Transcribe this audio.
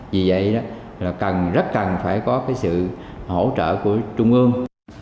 vì vậy là rất cần phải có cái sự hỗ trợ của trung ương